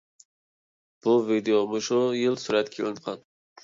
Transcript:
بۇ ۋىدىيو مۇشۇ يىل سۈرەتكە ئېلىنغان.